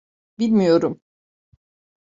Bilmiyorum...